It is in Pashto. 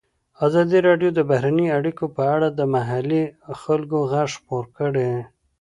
ازادي راډیو د بهرنۍ اړیکې په اړه د محلي خلکو غږ خپور کړی.